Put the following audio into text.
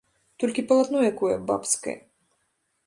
Толькі палатно якое, бабскае.